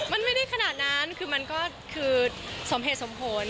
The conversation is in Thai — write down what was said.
มันไม่ได้ขนาดนั้นคือมันก็คือสมเหตุสมผล